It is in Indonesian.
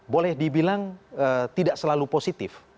boleh dibilang tidak selalu positif